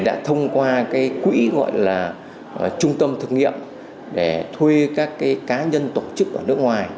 đã thông qua quỹ trung tâm thực nghiệm để thuê các cá nhân tổ chức ở nước ngoài